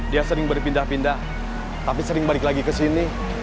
dia sering berpindah pindah tapi sering balik lagi ke sini